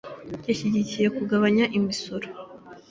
Yashyigikiye kugabanya imisoro.